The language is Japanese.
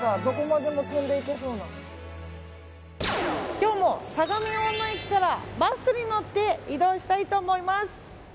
今日も、相模大野駅からバスに乗って移動したいと思います。